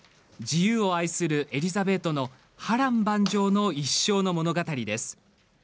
自由を愛するエリザベートの波乱万丈の一生の物語です。